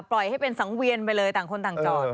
ปล่อยให้เป็นสังเวียนไปเลยต่างคนต่างจอด